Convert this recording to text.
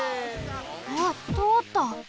あっとおった！